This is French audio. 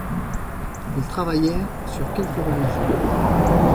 Ils travaillèrent sur quelques religieux.